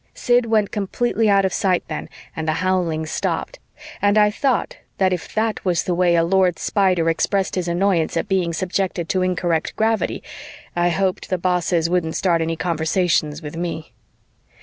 Sid went completely out of sight then and the howling stopped, and I thought that if that was the way a Lord Spider expressed his annoyance at being subjected to incorrect gravity, I hoped the bosses wouldn't start any conversations with me.